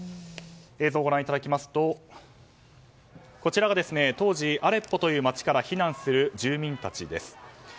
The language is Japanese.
映像をご覧いただきますと当時アレッポという街から避難する住民たちです。